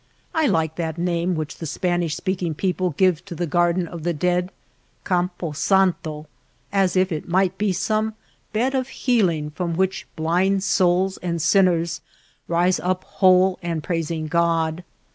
I like that name which the Spanish speak ing people give to the garden of the dead, Campo Santo, as if it might be some bed of healing from which blind souls and sinners rise up whole and praising God.